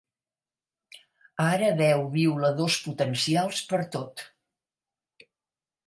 Ara veu violadors potencials pertot.